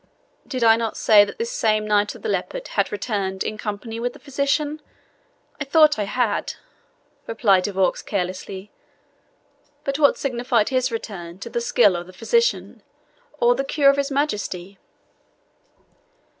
"Did I not say that this same Knight of the Leopard had returned in company with the physician? I thought I had," replied De Vaux carelessly. "But what signified his return to the skill of the physician, or the cure of his Majesty?"